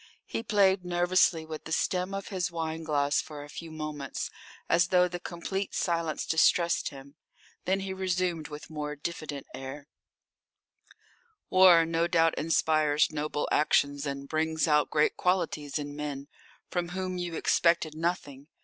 He played nervously with the stem of his wineglass for a few moments, as though the complete silence distressed him. Then he resumed with a more diffident air: "War no doubt inspires noble actions and brings out great qualities in men from whom you expected nothing.